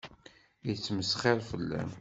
Yettmesxiṛ fell-am.